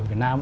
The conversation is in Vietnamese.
ở việt nam